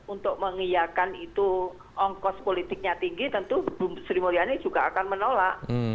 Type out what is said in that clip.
untuk mengiyakan itu ongkos politiknya tinggi tentu bu sri mulyani juga akan menolak